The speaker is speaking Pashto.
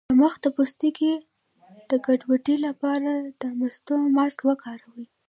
د مخ د پوستکي د ګډوډۍ لپاره د مستو ماسک وکاروئ